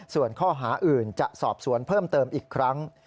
ส่วนข้อหาอื่นจะสอบสวนเพิ่มเติมอีกครั้ง